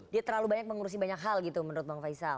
dia terlalu banyak mengurusi banyak hal gitu menurut bang faisal